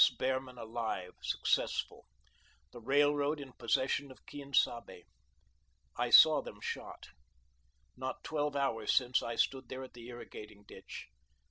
Behrman alive, successful; the Railroad in possession of Quien Sabe. I saw them shot. Not twelve hours since I stood there at the irrigating ditch.